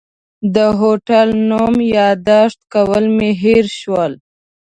د هوټل نوم یاداښت کول مې هېر شول.